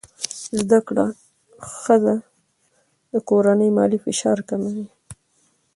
زده کړه ښځه د کورنۍ مالي فشار کموي.